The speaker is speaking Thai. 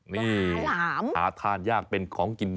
หาทานยากมาเป็นของกิน